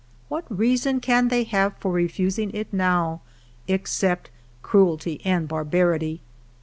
What reason can they have for refusing it now, except cruelty and barbarity